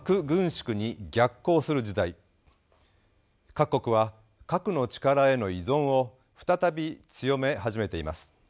各国は核の力への依存を再び強め始めています。